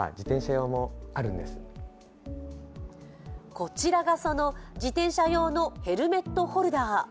こちらがその自転車用のヘルメットホルダー。